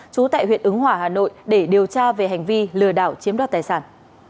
chú tại huyện ứng hỏa hà nội để điều tra về hành vi lừa đảo chiếm đoạt tài sản